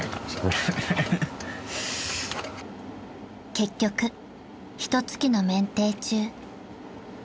［結局ひと月の免停中］